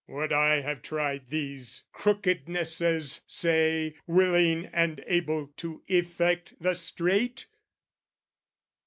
"Would I have tried these crookednesses, say, "Willing and able to effect the straight?"